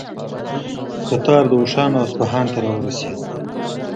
کتار د اوښانو اصفهان ته راورسېد.